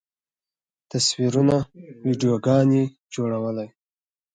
تصویرونه، ویډیوګانې جوړولی